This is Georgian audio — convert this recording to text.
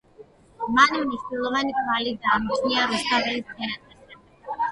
მან მნიშვნელოვანი კვალი დაამჩნია რუსთაველის თეატრის რეპერტუარს.